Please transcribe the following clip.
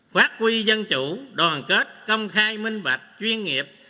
phát huy dân chủ đoàn kết công khai minh bạch chuyên nghiệp